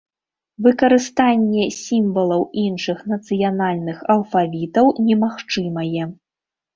Выкарыстанне сімвалаў іншых нацыянальных алфавітаў немагчымае.